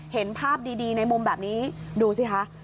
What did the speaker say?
เห็นภาพดีในมุมแบบนี้ดูสิคะ